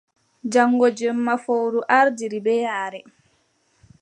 Jaŋgo jemma fowru ardiri bee yaare.